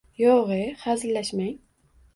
– Yo‘g‘-e, hazillashmang…